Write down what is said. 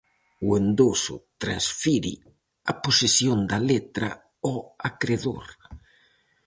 O endoso transfire a posesión da letra ao acredor.